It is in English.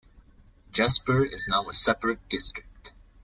Jashpur is now a separate district.